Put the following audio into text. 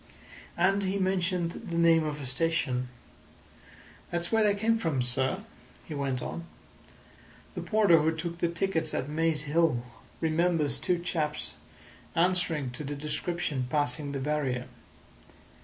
And he mentioned the name of a station. "That's where they came from, sir," he went on. "The porter who took the tickets at Maze Hill remembers two chaps answering to the description passing the barrier.